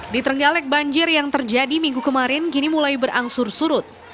di trenggalek banjir yang terjadi minggu kemarin kini mulai berangsur surut